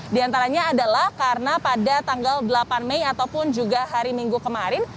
di antaranya adalah karena pada tanggal delapan mei ataupun juga hari minggu kemarin